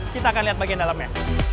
kita akan lihat bagian dalamnya